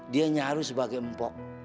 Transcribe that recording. dia nyaru sebagai mpok